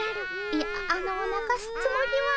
いやあのなかすつもりは。